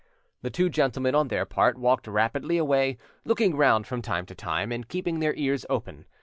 The two gentlemen on their part walked rapidly away, looking round from time to time, and keeping their ears open.